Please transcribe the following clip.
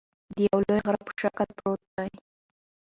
د یوه لوی غره په شکل پروت دى